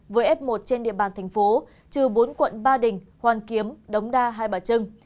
với f một trên địa bàn thành phố trừ bốn quận ba đình hoàn kiếm đống đa hai bà trưng